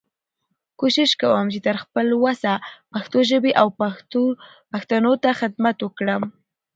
کوشش کوم چې تر خپل وسه پښتو ژبې او پښتنو ته خدمت وکړم.